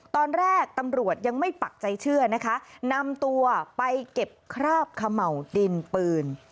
ตอนแรกตำรวจยังไม่ปักใจเชื่อนะคะนำตัวไปเก็บคราบเขม่าวดินปืน